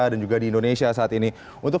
dan juga di indonesia saat ini untuk